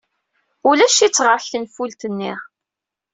Ulac-itt ɣer-k tenfult-nni.